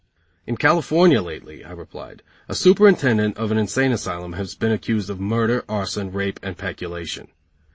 "In California lately," I replied, "A superintendent of an insane asylum has been accused of murder, arson, rape and peculation.